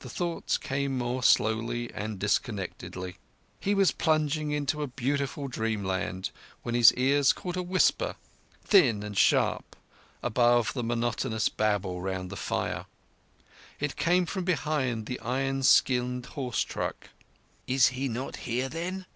The thoughts came more slowly and disconnectedly. He was plunging into a beautiful dreamland when his ears caught a whisper, thin and sharp, above the monotonous babble round the fire. It came from behind the iron skinned horse truck. "He is not here, then?"